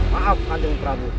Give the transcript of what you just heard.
maaf kandung prabu